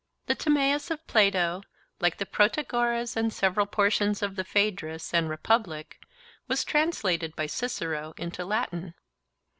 The Timaeus of Plato, like the Protagoras and several portions of the Phaedrus and Republic, was translated by Cicero into Latin.